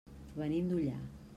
Venim d'Ullà.